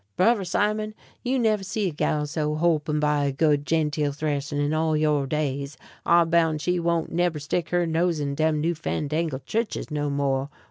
Brover Simon, you never see a gal so holpen by a good genteel thrashin' in all your days. I boun' she won't neber stick her nose in dem new fandangle chu'ches no more.